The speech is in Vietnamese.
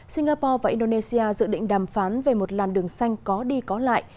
singapore và indonesia dự định đàm phán về một làn đường xanh có đi có lại